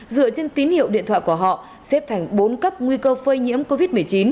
dựa trên tín hiệu điện thoại của họ xếp thành bốn cấp nguy cơ phơi nhiễm covid một mươi chín